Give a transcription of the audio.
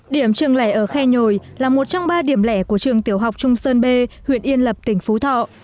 điểm trường lẻ ở khe nhồi là một trong ba điểm lẻ của trường tiểu học trung sơn b huyện yên lập tỉnh phú thọ